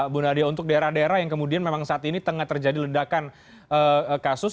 bu nadia untuk daerah daerah yang kemudian memang saat ini tengah terjadi ledakan kasus